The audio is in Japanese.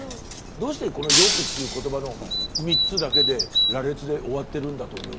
どうしてこの「よく」っていう言葉の３つだけで羅列で終わってるんだと思います？